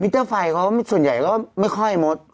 มิตเตอร์ไฟเขบัลสูญใหญ่ไม่ค่อยมา